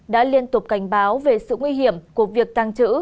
đã liên tục cảnh báo về sự nguy hiểm của việc tăng trữ